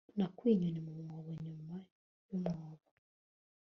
Nakuye inyoni mu mwobo nyuma yumwobo